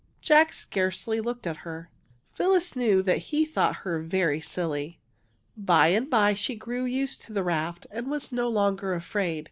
Jack scarcely looked at her. Phyllis knew that he thought her very silly. By and bye she grew used to the raft, and was no longer afraid.